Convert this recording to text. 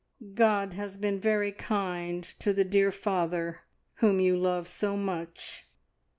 God has been very kind to the dear father whom you love so much.